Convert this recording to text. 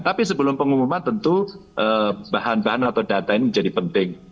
tapi sebelum pengumuman tentu bahan bahan atau data ini menjadi penting